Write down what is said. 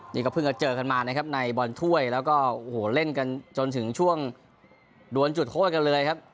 นี่ก็เพิ่งจะเจอกันมานะครับในบอลถ้วยแล้วก็โอ้โหเล่นกันจนถึงช่วงดวนจุดโทษกันเลยครับ